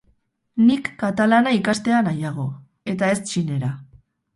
Nik katalana ikastea nahiago eta ez txinera.